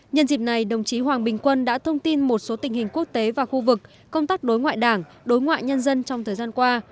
nhân dịp này đồng chí hoàng bình quân đã thông tin một số tình hình quốc tế và khu vực công tác đối ngoại đảng đối ngoại nhân dân trong thời gian qua